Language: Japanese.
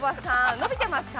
伸びてますか。